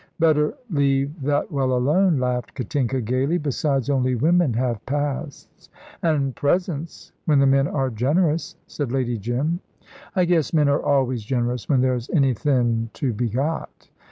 "Better leave that well alone," laughed Katinka, gaily. "Besides, only women have pasts." "And presents, when the men are generous," said Lady Jim. "I guess men are always generous, when there's anythin' to be got."